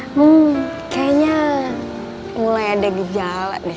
hmm kayaknya mulai ada gejala nih